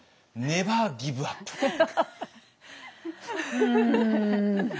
うん。